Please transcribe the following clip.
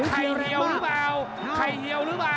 ไข่เรียวหรือเปล่าไข่เรียวหรือเปล่า